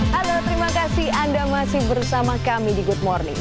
halo terima kasih anda masih bersama kami di good morning